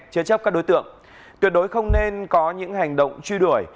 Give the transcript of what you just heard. chế chấp các đối tượng tuyệt đối không nên có những hành động truy đuổi